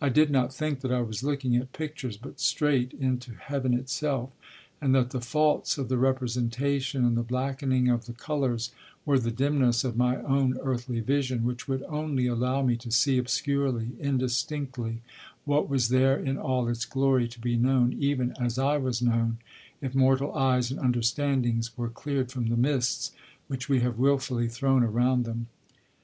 I did not think that I was looking at pictures, but straight into Heaven itself, and that the faults of the representation and the blackening of the colours were the dimness of my own earthly vision, which would only allow me to see obscurely, indistinctly, what was there in all its glory to be known even as I was known, if mortal eyes and understandings were cleared from the mists which we have wilfully thrown around them.